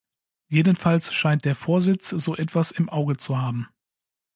Jedenfalls scheint der Vorsitz so etwas im Auge zu haben.